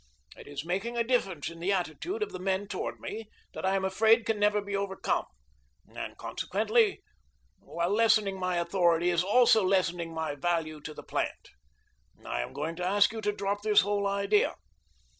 It is making a difference in the attitude of the men toward me that I am afraid can never be overcome, and consequently while lessening my authority it is also lessening my value to the plant. I am going to ask you to drop this whole idea.